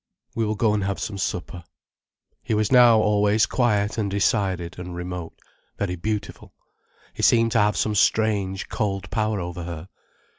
"We will go and have some supper." He was now always quiet and decided and remote, very beautiful. He seemed to have some strange, cold power over her.